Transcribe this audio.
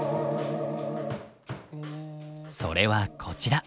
それはこちら。